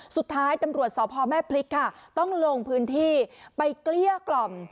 สุดท้ายตำรวจสพแม่พริกค่ะต้องลงพื้นที่ไปเกลี้ยกล่อม